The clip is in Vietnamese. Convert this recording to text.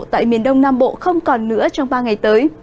tại miền đông nam bộ không còn nữa trong ba ngày tới